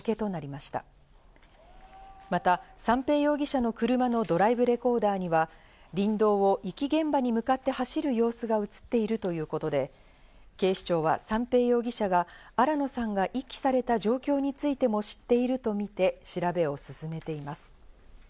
また三瓶容疑者の車のドライブレコーダーには、林道を遺棄現場に向かって走る様子が映っているということで、警視庁は三瓶容疑者が新野さんが遺棄された状況についても知っているとみて調べを進めています。